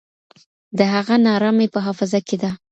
د هغه ناره مي په حافظه کي ده.